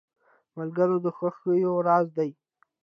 ملګری د خوښیو راز دی.